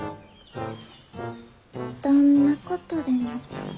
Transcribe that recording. どんなことでも。